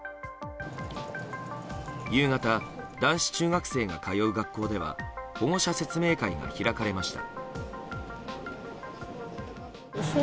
夕方、男子中学生が通う学校では保護者説明会が開かれました。